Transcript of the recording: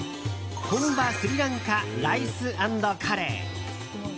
本場スリランカライス＆カレー。